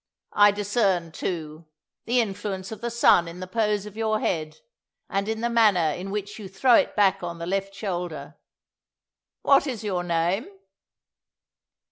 I discern, too, the influence of the sun in the pose of your head, and in the manner in which you throw it back on the left shoulder. What is your name?"